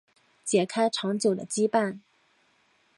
解开长久的羁绊